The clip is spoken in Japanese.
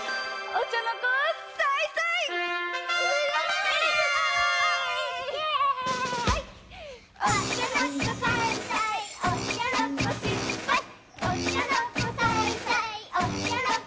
お茶の子さいさい。